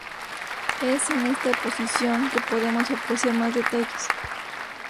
Es en esta posición que podemos apreciar mas detalles.